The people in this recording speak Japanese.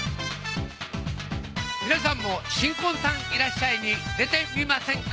皆さんも新婚さんいらっしゃい！に出てみませんか？